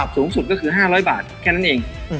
สูงสุดก็คือ๕๐๐บาทแค่นั้นเอง